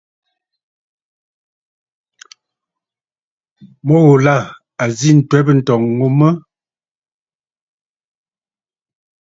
Mû ghù là à zî ǹtwɛ̀bə̂ ǹtɔ̀ŋ ŋù mə̀.